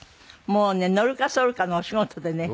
もうねのるかそるかのお仕事でね。